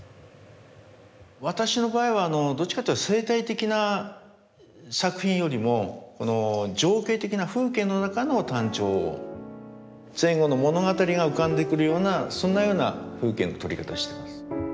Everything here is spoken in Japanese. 私の場合はどっちかっていえば生態的な作品よりもこの情景的な風景の中のタンチョウを前後の物語が浮かんでくるようなそんなような風景の撮り方をしてます。